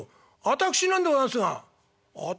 私なんでございますが」。